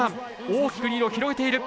大きくリードを広げている。